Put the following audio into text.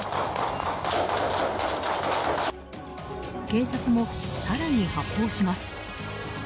警察も更に発砲します。